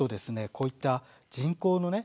こういった人工のね